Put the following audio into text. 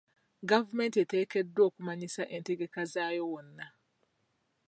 Gavumenti eteekeddwa okumanyisa entegeka zaayo wonna.